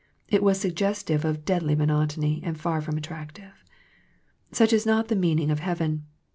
It was suggestive of deadly monotony and far from attractive. Such is not the meaning of heaven.